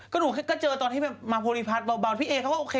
ก็หนูเจอตอนที่มาโผล่อิพรรดิบ่าพี่เอ๊ก็โอเค